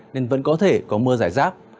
nên vẫn có thể có mưa giải rác